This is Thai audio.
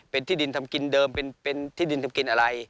เป็นที่ดินทำกินเดิมเป็นที่ดินทำกินอะไร